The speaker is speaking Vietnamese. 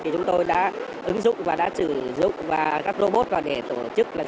chúng tôi đã ứng dụng và đã sử dụng và các robot vào để tổ chức